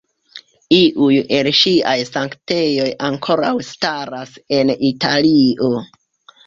Iuj el ŝiaj sanktejoj ankoraŭ staras en Italio.